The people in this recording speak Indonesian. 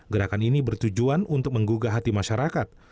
gerakan ini bertujuan untuk menggugah hati masyarakat